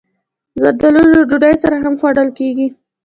زردالو له ډوډۍ سره هم خوړل کېږي.